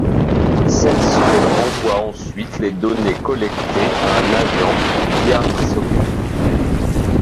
Cette sonde envoie ensuite les données collectées à un agent via un socket local